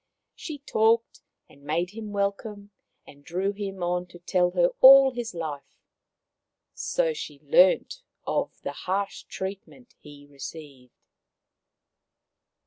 She talked and made him welcome, and drew him on to tell her all his life. So she learnt of the harsh treatment he received.